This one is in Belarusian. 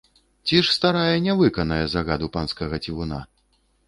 Ці ж старая не выканае загаду панскага цівуна?